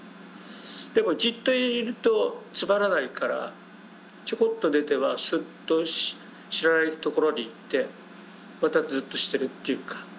でもじっといるとつまらないからちょこっと出てはスッと知らない所に行ってまたズッとしてるというか。